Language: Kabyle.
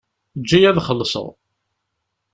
Eǧǧ-iyi ad xelṣeɣ.